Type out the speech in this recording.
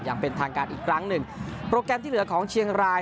อย่างเป็นทางการอีกครั้งหนึ่งโปรแกรมที่เหลือของเชียงราย